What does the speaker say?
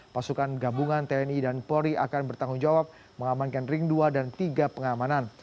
pasukan gabungan tni dan polri akan bertanggung jawab mengamankan ring dua dan tiga pengamanan